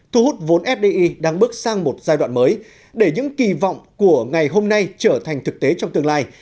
thu hút vốn fdi đang bước sang một giai đoạn mới để những kỳ vọng của ngày hôm nay trở thành thực tế trong tương lai